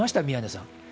宮根さん。